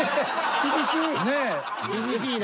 厳しいな。